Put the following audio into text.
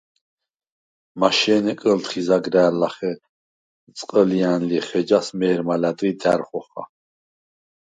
მაშე̄ნე კჷლთხი ზაგრა̈რ ლახე წყჷლჲა̈ნ ლიხ, ეჯას მე̄რმა ლა̈დღი და̈რ ხოხა.